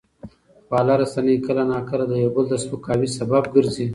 خواله رسنۍ کله ناکله د یو بل د سپکاوي سبب ګرځي.